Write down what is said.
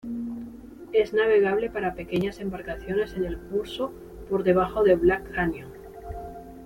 Es navegable para pequeñas embarcaciones en el curso por debajo de Black Canyon.